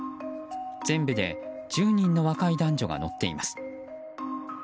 全部で１０人の若い男女が乗っています。